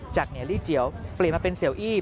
เหนียลี่เจียวเปลี่ยนมาเป็นเสียวอี้